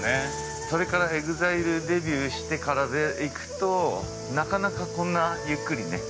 それからＥＸＩＬＥデビューしてからでいくと、なかなかこんな、ゆっくりね。